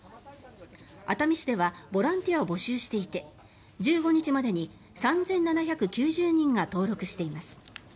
熱海市ではボランティアを募集していて１５日までに３７９０人が登録しています。